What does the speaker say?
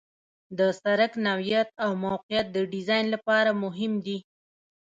د سرک نوعیت او موقعیت د ډیزاین لپاره مهم دي